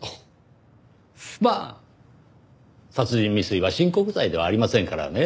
まあ殺人未遂は親告罪ではありませんからね。